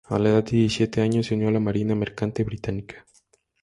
A la edad de diecisiete años, se unió a la Marina Mercante Británica.